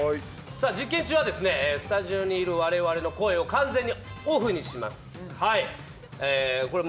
実験中はスタジオにいる我々の声を完全にオフにします。